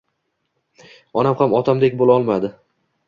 Onam ham otamdek bo‘la olmadi.